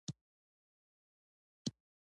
زه د رښتیاوو د ویلو لار نه پريږدم.